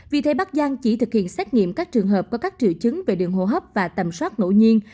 vì thế bắc giang chỉ thực hiện xét nghiệm các trường hợp có các triệu chứng về đường hô hấp và tầm soát ngẫu nhiên